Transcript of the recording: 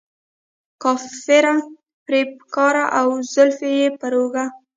کافره، فریب کاره او زلفې یې پر اوږه.